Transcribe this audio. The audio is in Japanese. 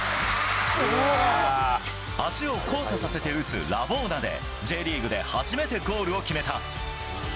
足を交差させて打つラボーナで、Ｊリーグで初めてゴールを決めた。